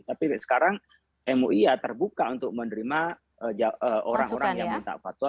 tapi sekarang mui ya terbuka untuk menerima orang orang yang minta fatwa